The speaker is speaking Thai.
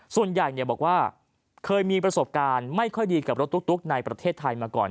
ส่วนใหญ่บอกว่าเคยมีประสบการณ์ไม่ค่อยดีกับรถตุ๊กในประเทศไทยมาก่อน